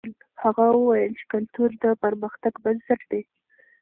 هغه وویل چې کلتور د پرمختګ بنسټ دی.